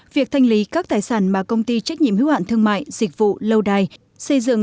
việc thanh lý các tài sản mà công ty trách nhiệm hiếu hạn thương mại dịch vụ lâu đài xây dựng